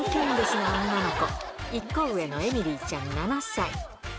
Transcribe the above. な女の子、１個上のエミリーちゃん７歳。